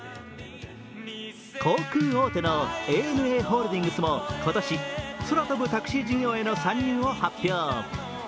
航空大手のＡＮＡホールディングスも今年、空飛ぶタクシー事業への参入を発表。